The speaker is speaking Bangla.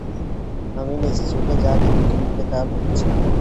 আমি নিজ চোখে যা দেখেছি মুখে তা বলছি।